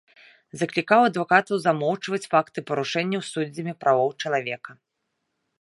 Заклікаў адвакатаў замоўчваць факты парушэнняў суддзямі правоў чалавека.